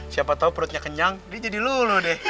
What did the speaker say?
siapa tahu perutnya kenyang dia jadi lulu deh